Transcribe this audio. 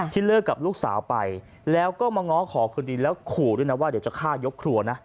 เลิกกับลูกสาวไปแล้วก็มาง้อขอคืนดีแล้วขู่ด้วยนะว่าเดี๋ยวจะฆ่ายกครัวนะ